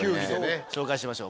紹介しましょう